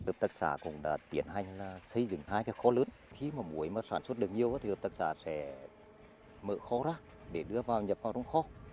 hợp tạc xã cũng đã tiến hành xây dựng hai cái kho lớn khi mà muối sản xuất được nhiều thì hợp tạc xã sẽ mở kho ra để đưa vào nhập vào trong kho